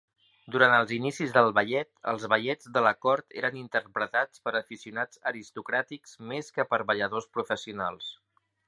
Durant els inicis del ballet, els ballets de la cort eren interpretats per aficionats aristocràtics més que per balladors professionals.